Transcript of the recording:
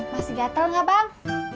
masih gatel gak bang